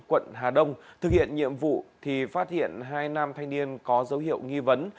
quận hà đông thực hiện nhiệm vụ thì phát hiện hai nam thanh niên có dấu hiệu nghi vấn